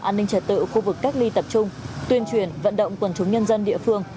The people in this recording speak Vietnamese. an ninh trật tự khu vực cách ly tập trung tuyên truyền vận động quần chúng nhân dân địa phương